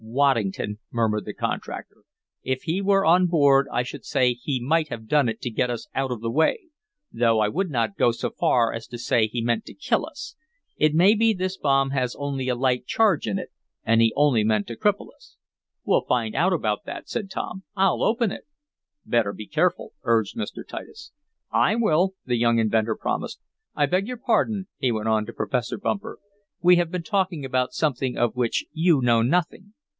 "Waddington!" murmured the contractor. "If he were on board I should say he might have done it to get us out of the way, though I would not go so far as to say he meant to kill us. It may be this bomb has only a light charge in it, and he only meant to cripple us." "We'll find out about that," said Tom. "I'll open it." "Better be careful," urged Mr. Titus. "I will," the young inventor promised. "I beg your pardon," he went on to Professor Bumper. "We have been talking about something of which you know nothing.